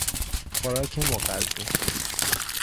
خوراک مغذی